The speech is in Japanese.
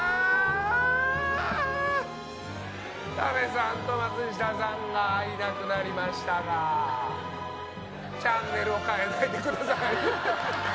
多部さんと松下さんがいなくなりましたがチャンネルを変えないでください。